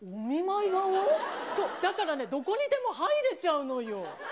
そう、だからね、どこにでも入れちゃうのよ。